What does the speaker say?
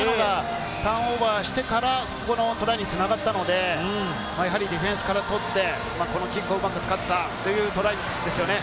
ターンオーバーしてからトライにつながったので、ディフェンスから取って、キックをうまく使ったというトライですね。